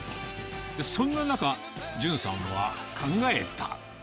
そんな中、淳さんは考えた。